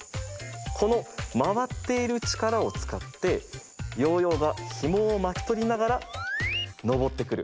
このまわっているちからをつかってヨーヨーがひもをまきとりながらのぼってくる。